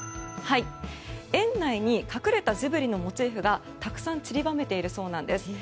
園内に隠れたジブリのモチーフがたくさん散りばめられているそうです。